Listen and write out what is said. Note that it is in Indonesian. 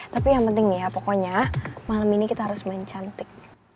tapi yang penting ya pokoknya malam ini kita harus main cantik